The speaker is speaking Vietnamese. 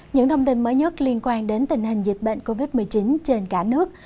những thông tin mới nhất liên quan đến tình hình dịch bệnh covid một mươi chín trên cả nước